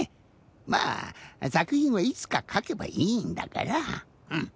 まあさくひんはいつかかけばいいんだからうん。